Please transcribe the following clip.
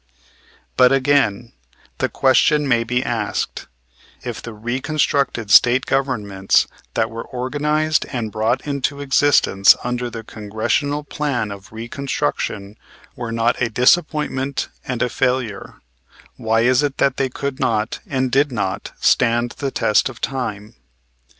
But again, the question may be asked, if the reconstructed State Governments that were organized and brought into existence under the Congressional Plan of Reconstruction were not a disappointment and a failure, why is it that they could not and did not stand the test of time?